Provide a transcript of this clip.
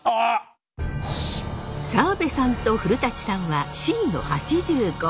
澤部さんと古さんはＣの８５。